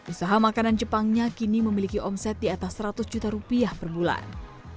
usaha makanan jepangnya kini memiliki omset di atas seratus juta rupiah per bulan